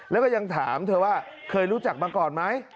แล้วก็ยังถามเธอว่าเคยรู้จักมาก่อนไหม